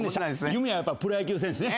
夢はやっぱプロ野球選手ね。